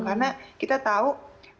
karena kita tahu penyakit ini kebanyakan